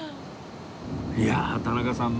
いやあ田中さん